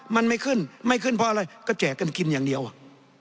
มันไม่ขึ้นไม่ขึ้นเพราะอะไรก็แจกกันกินอย่างเดียวอ่ะ